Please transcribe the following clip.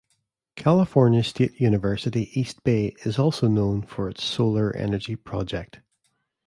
California State University, East Bay is also known for its Solar Energy Project.